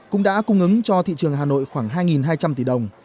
cũng đã cung ứng cho thị trường hà nội khoảng hai hai trăm linh tỷ đồng